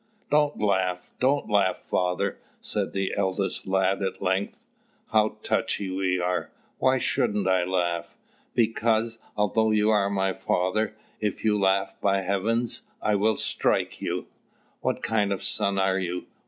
"Don't laugh, don't laugh, father!" said the eldest lad at length. "How touchy we are! Why shouldn't I laugh?" "Because, although you are my father, if you laugh, by heavens, I will strike you!" "What kind of son are you?